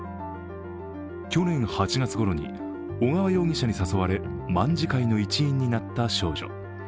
去年８月ごろに小川容疑者に誘われ卍会の一員になった少女。